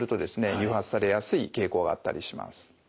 誘発されやすい傾向があったりします。